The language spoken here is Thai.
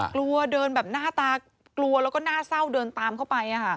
กลัวเดินแบบหน้าตากลัวแล้วก็หน้าเศร้าเดินตามเข้าไปอะค่ะ